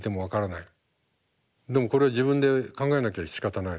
でもこれは自分で考えなきゃしかたないです。